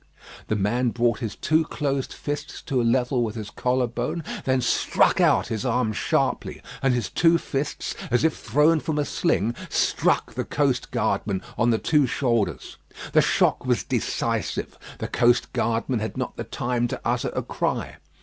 The man brought his two closed fists to a level with his collar bone, then struck out his arms sharply, and his two fists, as if thrown from a sling, struck the coast guardman on the two shoulders. The shock was decisive. The coast guardman had not the time to utter a cry.